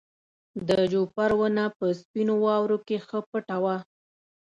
د جوپر ونه په سپینو واورو کې ښه پټه وه.